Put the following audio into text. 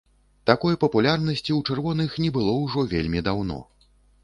Такой папулярнасці ў чырвоных не было ўжо вельмі даўно.